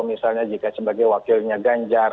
misalnya jika sebagai wakilnya ganjar